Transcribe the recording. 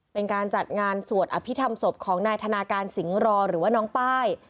เป็นการจัดงานสวดอภิษฐรรมศพของนายธนาการสิงห์รอหรือว่าน้องป้าย